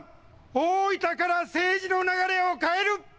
大分から政治の流れを変える。